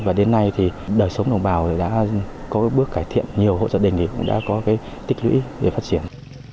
và đến nay thì đời sống đồng bào đã có bước cải thiện nhiều hộ gia đình cũng đã có cái tích lũy để phát triển